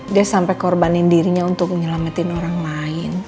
dia sampai korbanin dirinya untuk menyelamatkan orang lain